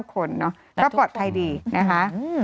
คนเนอะก็ปลอดภัยดีนะคะ